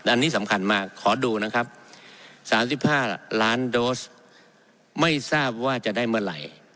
อันนี้สำคัญมากขอดูนะครับ๓๕ล้านโดสไม่ทราบว่าจะได้เมื่อไหร่